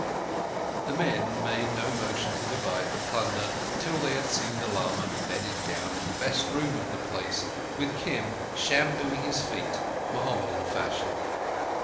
The men made no motion to divide the plunder till they had seen the lama bedded down in the best room of the place, with Kim shampooing his feet, Mohammedan fashion.